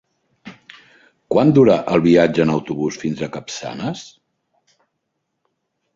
Quant dura el viatge en autobús fins a Capçanes?